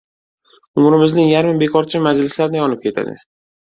Umrimizning yarmi bekorchi majlislarda yonib ketadi.